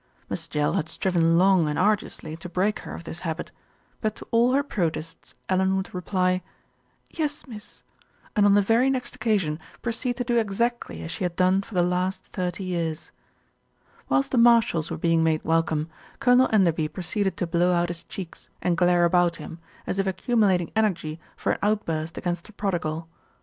Miss Jell had striven long and arduously to break her of this habit; but to all her protests Ellen would reply, "Yes, miss," and on the very next occa sion proceed to do exactly as she had done for the last thirty years. Whilst the Marshalls were being made welcome, LITTLE BILSTEAD SITS IN JUDGMENT 109 Colonel Enderby proceeded to blow out his cheeks and glare about him, as if accumulating energy for an out burst against the prodigal.